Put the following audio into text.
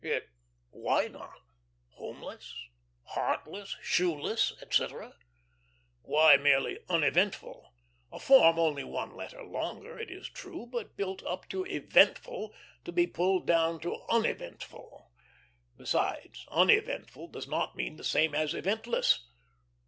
Yet why not? "Homeless," "heartless," "shoeless," etc.; why merely "uneventful," a form only one letter longer, it is true, but built up to "eventful" to be pulled down to "uneventful"? Besides, "uneventful" does not mean the same as "eventless."